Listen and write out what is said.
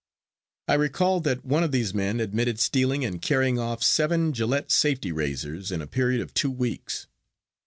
I recall that one of these men admitted stealing and carrying off seven Gillette safety razors in a period of two weeks.